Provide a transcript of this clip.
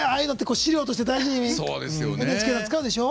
資料として、大事にＮＨＫは使うでしょ？